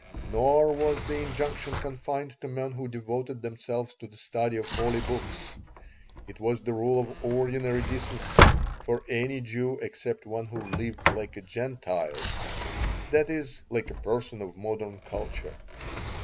Nor was the injunction confined to men who devoted themselves to the study of holy books. It was the rule of ordinary decency for any Jew except one who lived "like a Gentile," that is, like a person of modern culture.